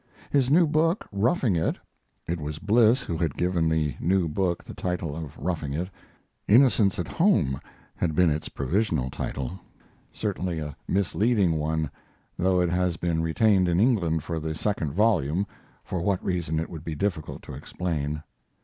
His new book, 'Roughing It', [It was Bliss who had given the new book the title of Roughing It. Innocents at Home had been its provision title, certainly a misleading one, though it has been retained in England for the second volume; for what reason it would be difficult to explain.